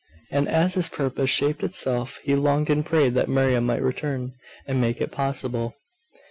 And as his purpose shaped itself, he longed and prayed that Miriam might return, and make it possible.